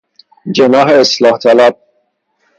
جناح اصلاح طلب